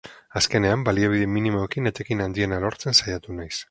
Azkenean, baliabide minimoekin etekin handiena lortzen saiatu naiz.